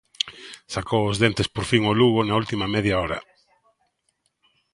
Sacou os dentes por fin o Lugo na última media hora.